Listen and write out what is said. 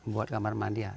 buat kamar mandi ya